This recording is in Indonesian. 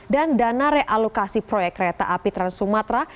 dan dana realokasi proyek kereta api trans sumatra